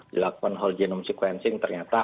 dilakukan whole genome sequencing ternyata